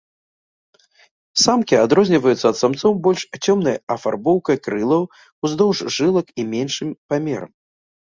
Самкі адрозніваюцца ад самцоў больш цёмнай афарбоўкай крылаў ўздоўж жылак і меншым памерам.